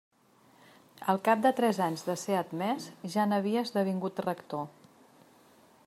Al cap de tres anys de ser admès ja n'havia esdevingut rector.